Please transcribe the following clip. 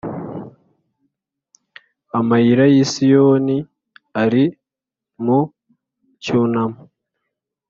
Amayira y’i Siyoni ari mu cyunamo,